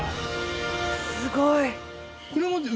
すごい！